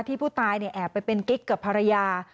ที่ผู้ตายเนี่ยแอบไปเป็นกิ๊กกับภรรยา